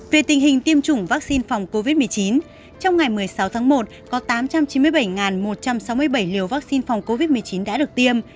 về tình hình tiêm chủng vaccine phòng covid một mươi chín trong ngày một mươi sáu tháng một có tám trăm chín mươi bảy một trăm sáu mươi bảy liều vaccine phòng covid một mươi chín đã được tiêm